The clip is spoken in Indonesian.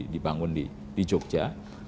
dibangun di jogja